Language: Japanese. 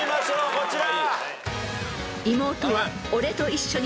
こちら！